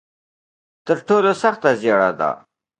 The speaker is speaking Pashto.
تر ټولو سخته زیاړه ده.